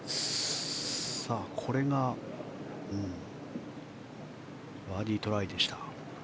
これがバーディートライでした。